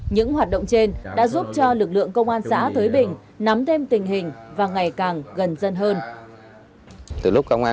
những hoạt động trên đã giúp cho lực lượng công an xã thới bình nắm thêm tình hình và ngày càng gần dân hơn